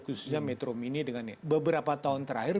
khususnya metro mini dengan beberapa tahun terakhir